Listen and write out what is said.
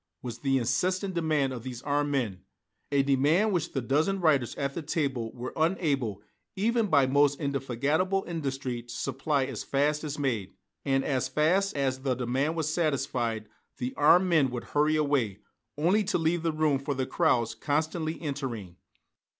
was the incessant demand of these armed men, a demand which the dozen writers at the table were unable even by most indefatigable industry to supply as fast as made. And as fast as the demand was satisfied, the armed men would hurry away, only to leave room for the crowds constantly entering.